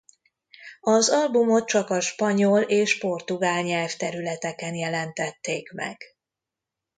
Az albumot csak a spanyol és portugál nyelvterületeken jelentették meg.